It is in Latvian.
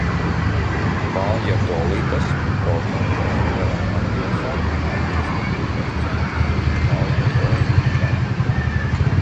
Valjadolidas provinces lielākā pilsēta un administratīvais centrs ir Valjadolida.